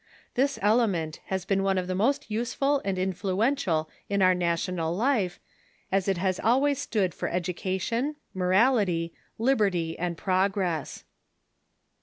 This element has been one of the most useful and influential in our national life, as it has always stood for education, mo rality, liberty, and progress.